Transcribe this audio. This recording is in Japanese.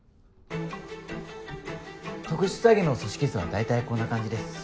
特殊詐欺の組織図は大体こんな感じです。